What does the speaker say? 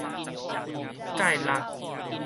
蓋蠟